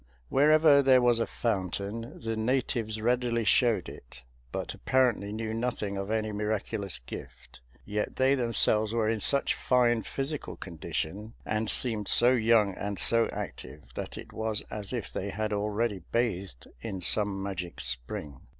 Wherever there was a fountain, the natives readily showed it, but apparently knew nothing of any miraculous gift; yet they themselves were in such fine physical condition, and seemed so young and so active, that it was as if they had already bathed in some magic spring.